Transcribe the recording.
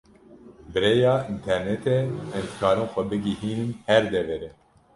Bi rêya internetê em dikarin xwe bigihînin her deverê.